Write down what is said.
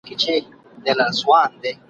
بس د خان مشکل به خدای کړي ور آسانه ..